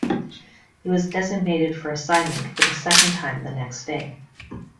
He was designated for assignment for the second time the next day.